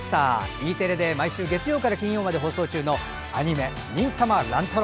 Ｅテレで毎週月曜から金曜まで放送中のアニメ「忍たま乱太郎」。